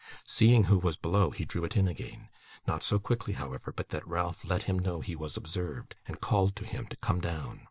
Seeing who was below, he drew it in again; not so quickly, however, but that Ralph let him know he was observed, and called to him to come down.